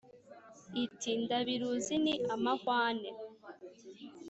Iti : Ndabiruzi ni amahwane